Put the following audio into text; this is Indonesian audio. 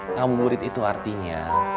ngabuburit itu artinya